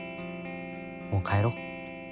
もう帰ろう。